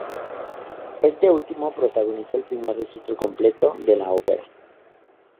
Este último protagonizó el primer registro completo de la ópera.